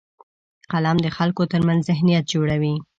قلم د خلکو ترمنځ ذهنیت جوړوي